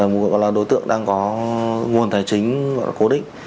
gọi là đối tượng đang có nguồn tài chính gọi là cố định